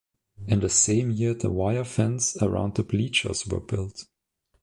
In the same year the wire fence around the bleachers were built.